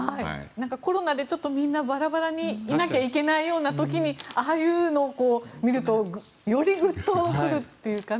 コロナでみんなバラバラにいなきゃいけないような時にああいうのを見るとよりグッと来るというかね。